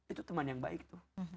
itu teman yang baik tuh